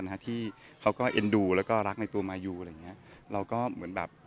มันเหมือนตัวผมเองกับตัวแม่เขาก็ค่อนข้างจะแบบ